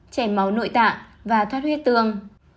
chảy máu nội tạng và thoát huyết tương